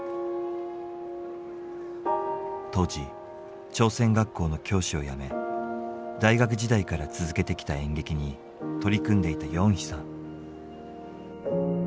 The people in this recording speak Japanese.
当時朝鮮学校の教師を辞め大学時代から続けてきた演劇に取り組んでいたヨンヒさん。